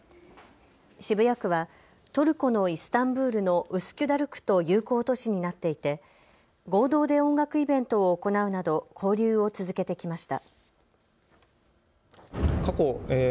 渋谷区はトルコのイスタンブールのウスキュダル区と友好都市になっていて合同で音楽イベントを行うなど交流を続けてきました。